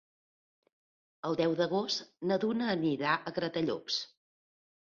El deu d'agost na Duna anirà a Gratallops.